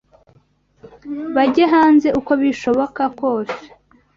bajye hanze uko bishoboka kose